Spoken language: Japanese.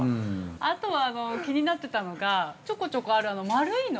あとは、気になってたのがちょこちょこある丸いの。